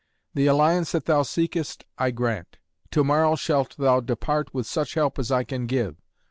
The alliance that thou seekest I grant. To morrow shalt thou depart with such help as I can give.